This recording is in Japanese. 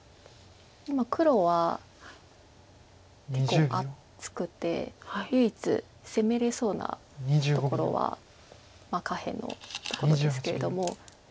今黒は結構厚くて唯一攻めれそうなところは下辺のところですけれども。